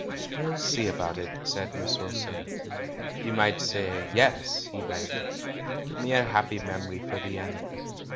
"We'll see about it," said Miss Wilson. "You might say 'yes,' " he begged. "Give me a happy memory for the end."